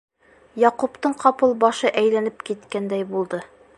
Яҡуптың ҡапыл башы әйләнеп киткәндәй булды.